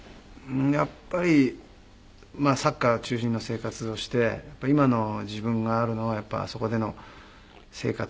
やっぱりサッカー中心の生活をして今の自分があるのはやっぱりあそこでの生活。